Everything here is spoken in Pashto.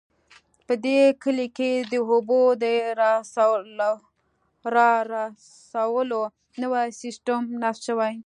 په دې کلي کې د اوبو د رارسولو نوی سیسټم نصب شوی